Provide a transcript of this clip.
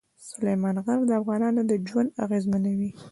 سلیمان غر د افغانانو ژوند اغېزمنوي.